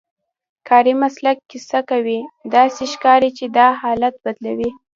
کاري مسلک کیسه کوي، داسې ښکاري چې دا حالت بدلوي.